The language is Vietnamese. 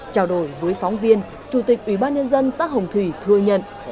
trao đổi với phóng viên chủ tịch ủy ban nhân dân xã hồng thủy thừa nhận